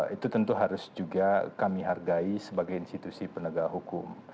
itu tentu harus juga kami hargai sebagai institusi penegak hukum